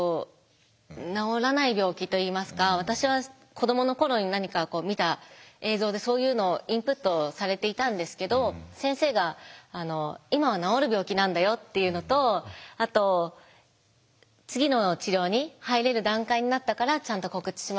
私は子どもの頃に何か見た映像でそういうのをインプットされていたんですけど先生が「今は治る病気なんだよ」っていうのとあと「次の治療に入れる段階になったからちゃんと告知しました。